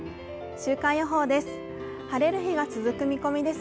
週間予報です。